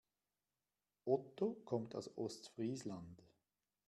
Otto kommt aus Ostfriesland.